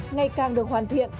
ngày càng được hoàn thiện